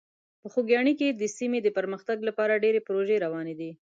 په خوږیاڼي کې د سیمې د پرمختګ لپاره ډېرې پروژې روانې دي.